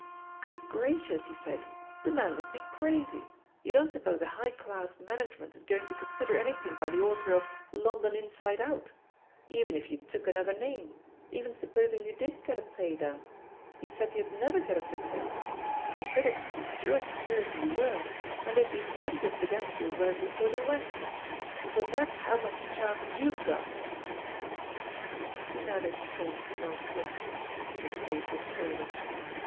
'Good gracious !' he said, 'the man must be crazy. You don't suppose a high class man agement is going to consider anjrthing by the author of London Inride Out?^ ••• Even if you took another name — even supposing you did get a play done — ^he said you'd never get a suc cess. The critics 'd be sure to hear who you were^ and they'd be prejudiced against your work be fore they went. ••^ So that's how much chance you've got 1" He neither spoke nor flinched, but his face was colourless.